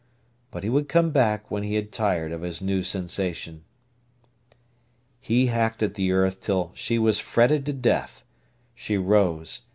But he would come back when he had tired of his new sensation. He hacked at the earth till she was fretted to death. She rose.